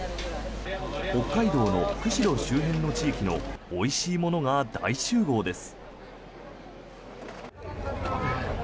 北海道の釧路周辺の地域のおしいものが大集合です。